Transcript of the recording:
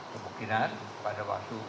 kemungkinan pada waktu